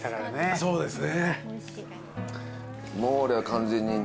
そうですね。